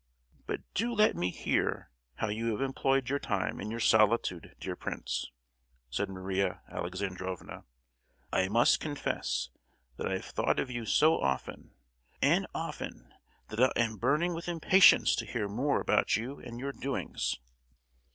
"But do let me hear how you have employed your time in your solitude, dear prince," said Maria Alexandrovna. "I must confess that I have thought of you so often, and often, that I am burning with impatience to hear more about you and your doings."